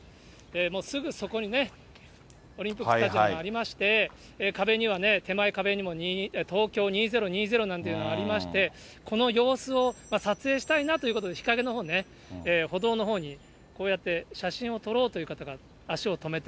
もうすぐそこにね、オリンピックスタジアムがありまして、壁にはね、手前、壁にもＴＯＫＹＯ２０２０なんていうのがありまして、この様子を撮影したいなということで、日陰のほう、歩道のほうにこうやって写真を撮ろうという方が足を止めて。